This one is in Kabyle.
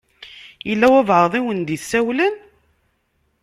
Yella walebɛaḍ i wen-d-isawlen?